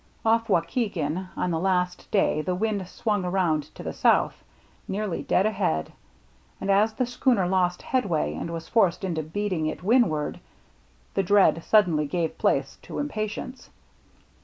OfF Waukegan on the last day the wind swung around to the south, nearly dead ahead ; and as the schooner lost headway and was forced 140 THE MERRT ANNE into beating to windward, the dread suddenly gave place to impatience.